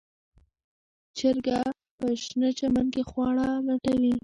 چرګه په شنه چمن کې خواړه لټوي.